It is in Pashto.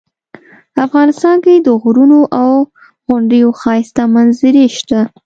افغانستان کې د غرونو او غونډیو ښایسته منظرې شته